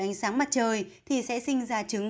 ánh sáng mặt trời thì sẽ sinh ra trứng